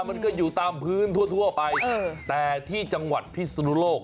มันก็อยู่ตามพื้นทั่วไปแต่ที่จังหวัดพิศนุโลก